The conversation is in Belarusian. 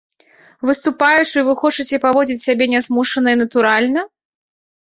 Выступаючы, вы хочаце паводзіць сябе нязмушана і натуральна?